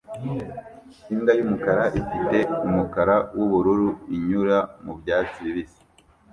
Imbwa y'umukara ifite umukara w'ubururu inyura mu byatsi bibisi